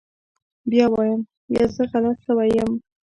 بيا وايم يه زه غلط سوى يم.